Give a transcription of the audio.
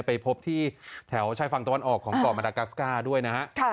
๓๗๐ไปพบที่แถวชายฟังตะวันออกของเกาะมรกัสก้าด้วยนะ